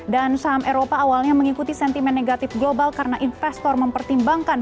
dan saham eropa awalnya mengikuti sentimen negatif global karena investor mempertimbangkan